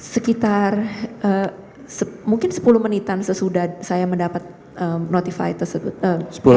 sekitar mungkin sepuluh menitan sesudah saya mendapat notified tersebut